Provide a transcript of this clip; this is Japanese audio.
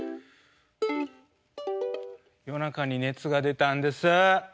夜中に熱が出たんです。